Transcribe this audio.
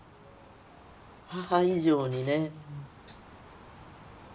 母以上にね。